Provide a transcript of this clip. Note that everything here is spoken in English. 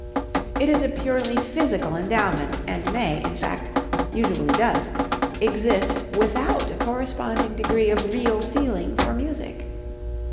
It is a purely physical endowment, and may in fact, usually does exist without a corresponding degree of real feeling for music.